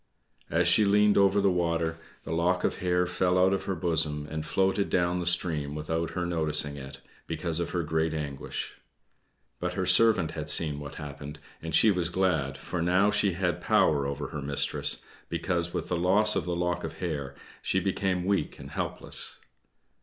As she leaned over the water, the lock of hair fell out of her bosom and floated down the stream without her noticing it, because of her great anguish. But her servant had seen what happened, and she was glad, for now she had power over her mistress, because with the loss of the lock of hair, she became weak and helpless.